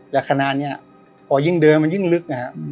แต่ขณะนี้พอยิ่งเดินมันยิ่งลึก